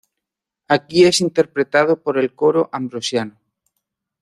Aquí es interpretado por el Coro Ambrosiano.